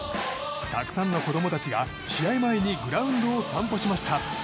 たくさんの子供たちが試合前にグラウンドを散歩しました。